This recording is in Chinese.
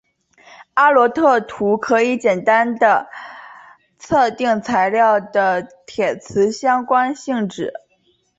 阿罗特图可以简单地测定材料的铁磁相关的性质。